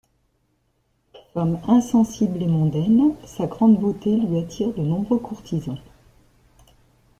Femme insensible et mondaine, sa grande beauté lui attire de nombreux courtisans.